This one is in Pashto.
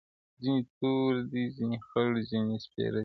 ځینی تور دي ځینی خړ ځینی سپېره دي -